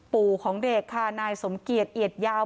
ปู่ของเด็กค่ะนายสมเกียจเอียดยาว